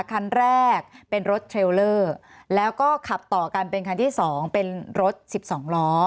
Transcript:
คันแรกเป็นรถเทรลเลอร์แล้วก็ขับต่อกันเป็นคันที่๒เป็นรถสิบสองล้อ